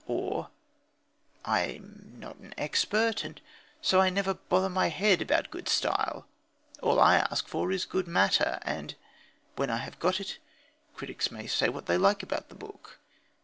Or: "I'm not an expert, and so I never bother my head about good style. All I ask for is good matter. And when I have got it, critics may say what they like about the book."